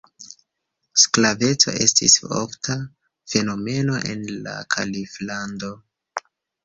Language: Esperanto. Sklaveco estis ofta fenomeno en la Kaliflando.